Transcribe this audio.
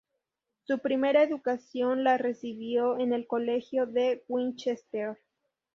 Su primera educación la recibió en el Colegio de Winchester.